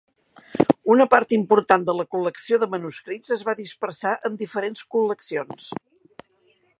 Una part important de la col·lecció de manuscrits es va dispersar en diferents col·leccions.